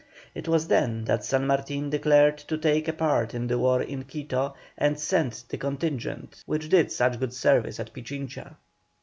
It was then that San Martin decided to take a part in the war in Quito, and sent the contingent which did such good service at Pichincha.